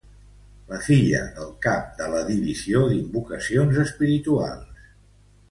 La filla del cap de la Divisió d'Invocacions Espirituals.